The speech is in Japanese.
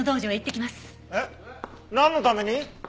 えっなんのために？